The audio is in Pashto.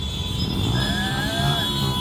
موږ جنگ ځپلو ته سېلاب هم یو لښکر ښکارېږي